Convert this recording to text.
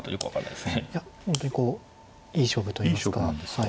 いや本当にこういい勝負といいますか。